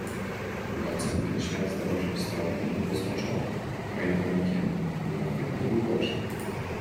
Kulawcowi ten świat zdawał się — stromy i niedoskoczony, a jednorękiemu — niepochwytny i uboczny.